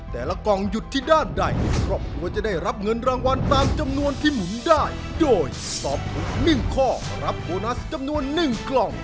ตอบถูก๒ข้อรับโบนัสจำนวน๒กล่อง